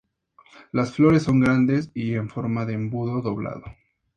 Las flores son grandes y en forma de embudo doblado.